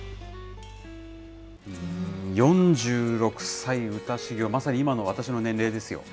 ４６歳歌修業、まさに今の私の年齢ですよ。